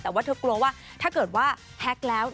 แต่ว่าเธอกลัวว่าถ้าเกิดว่าแฮ็กแล้ว